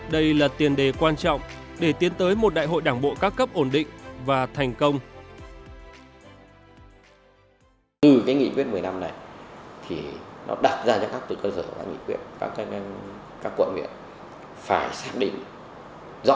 đây là tiền đề quan trọng để tiến tới một đại hội đảng bộ các cấp ổn định và thành công